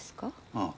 ああ。